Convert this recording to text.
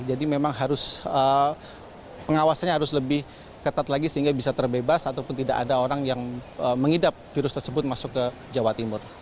jadi memang harus pengawasannya harus lebih ketat lagi sehingga bisa terbebas ataupun tidak ada orang yang mengidap virus tersebut masuk ke jawa timur